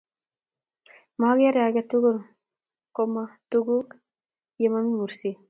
Mong'aree aketugul ko mo tuguk ye momii mursik.